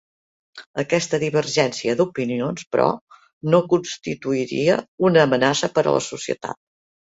Aquesta divergència d'opinions, però, no constituiria una amenaça per a la societat.